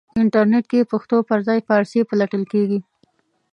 انټرنېټ کې پښتو پرځای فارسی پلټل کېږي.